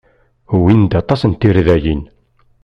Wwin-d aṭas n tirdayin.